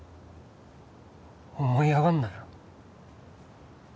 思いあがんなよ